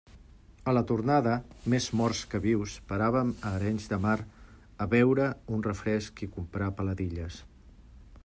A la tornada, més morts que vius, paràvem a Arenys de Mar a beure un refresc i a comprar peladilles.